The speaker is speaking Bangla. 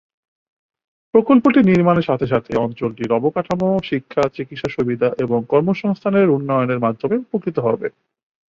প্রকল্পটি নির্মাণের সাথে সাথে অঞ্চলটি অবকাঠামো, শিক্ষা, চিকিৎসা সুবিধা এবং কর্মসংস্থানের উন্নয়নের মাধ্যমে উপকৃত হবে।